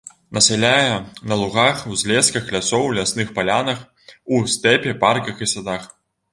Насяляе на лугах, узлесках лясоў, лясных палянах, у стэпе, парках і садах.